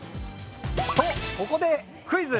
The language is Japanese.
とここでクイズ！！。